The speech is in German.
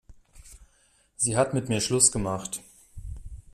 Sie hat mit mir Schluss gemacht.